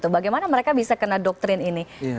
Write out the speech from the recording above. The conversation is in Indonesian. bagaimana mereka bisa kena doktrin ini